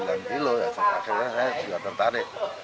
akhirnya saya juga tertarik